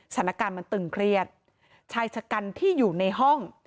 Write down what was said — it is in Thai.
สถานการณ์มันตึงเครียดชายชะกันที่อยู่ในห้อง